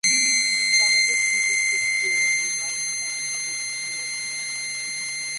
Some of his people procure a ripe plant of the gourd family.